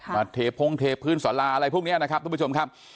เทพงเทพื้นสาราอะไรพวกนี้นะครับทุกผู้ชมครับ